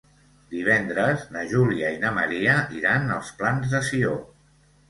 Divendres na Júlia i na Maria iran als Plans de Sió.